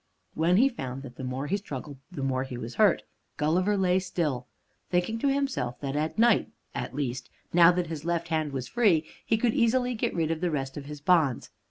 When he found that the more he struggled the more he was hurt, Gulliver lay still, thinking to himself that at night at least, now that his left hand was free, he could easily get rid of the rest of his bonds.